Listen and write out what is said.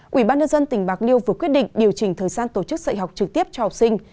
quỹ ban nhân dân tỉnh bạc liêu vừa quyết định điều chỉnh thời gian tổ chức dạy học trực tiếp cho học sinh